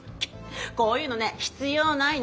こういうのね必要ないの。